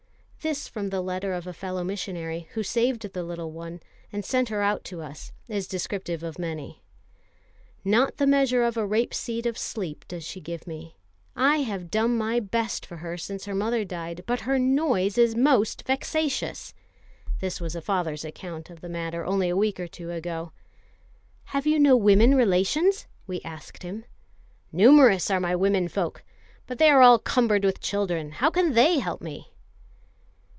This from the letter of a fellow missionary, who saved the little one and sent her out to us, is descriptive of many. "Not the measure of a rape seed of sleep does she give me. I have done my best for her since her mother died, but her noise is most vexatious." This was a father's account of the matter only a week or two ago. "Have you no women relations?" we asked him. "Numerous are my womenfolk, but they are all cumbered with children: how can they help me?"